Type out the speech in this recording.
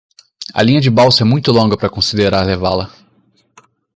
A linha de balsa é muito longa para considerar levá-la.